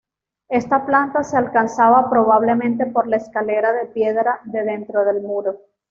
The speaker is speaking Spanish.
Esta planta se alcanzaba probablemente por la escalera de piedra de dentro del muro.